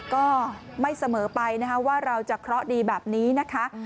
ก็ไม่เสมอไปนะคะว่าเราจะเคราะห์ดีแบบนี้นะคะ